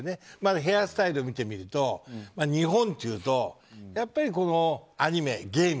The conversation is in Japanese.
ヘアスタイルを見てみると日本というと、やっぱりアニメ、ゲーム。